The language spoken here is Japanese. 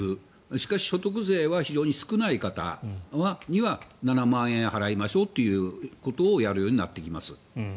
しかし所得税は非常に少ない方に７万円払いましょうということをやるようになります。